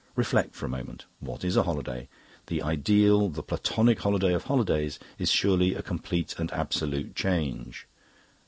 Reflect for a moment. What is a holiday? The ideal, the Platonic Holiday of Holidays is surely a complete and absolute change.